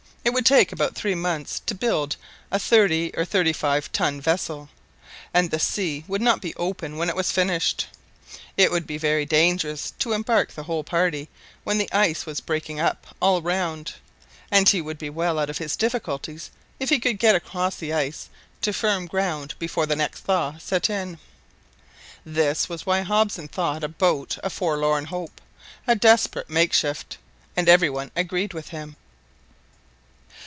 It would take about three months to build a thirty or thirty five ton vessel, and the sea would not be open when it was finished. It would be very dangerous to embark the whole party when the ice was breaking up all round, and he would be well out of his difficulties if he could get across the ice to firm ground before the next thaw set in. This was why Hobson thought a boat a forlorn hope, a desperate makeshift, and every one agreed with him.